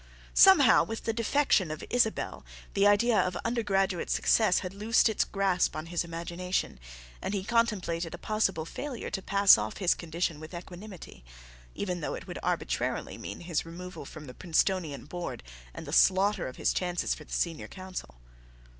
Somehow, with the defection of Isabelle the idea of undergraduate success had loosed its grasp on his imagination, and he contemplated a possible failure to pass off his condition with equanimity, even though it would arbitrarily mean his removal from the Princetonian board and the slaughter of his chances for the Senior Council.